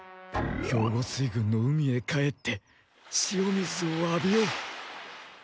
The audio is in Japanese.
兵庫水軍の海へ帰って潮水を浴びよう。